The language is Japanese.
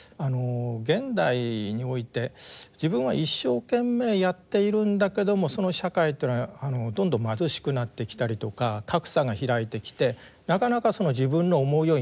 現代において自分は一生懸命やっているんだけどもその社会というのはどんどん貧しくなってきたりとか格差が開いてきてなかなか自分の思うようにならない。